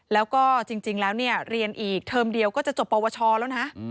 แล้วก็จริงแล้วเนี่ยเรียนอีกเทอมเดียวก็จะจบปวชแล้วนะ